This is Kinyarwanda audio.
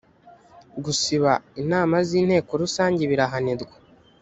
gusiba inama z ‘inteko rusange birahanirwa.